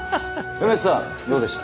梅津さんどうでした？